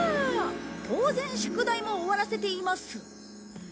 当然宿題も終わらせています。